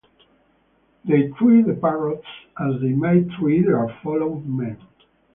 They treat the parrots as they might treat their fellow men.